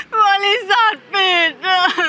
บริษัทปิด